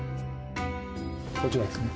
こちらですね。